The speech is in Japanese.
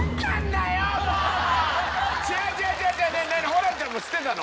ホランちゃんも知ってたの？